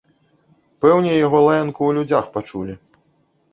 Пэўне яго лаянку ў людзях пачулі.